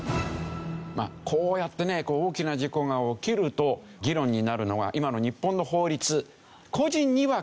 まあこうやってね大きな事故が起きると議論になるのが今の日本の法律。